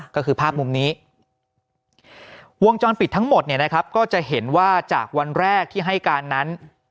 ก็คือภาพมุมนี้วงจรปิดทั้งหมดเนี่ยนะครับก็จะเห็นว่าจากวันแรกที่ให้การนั้น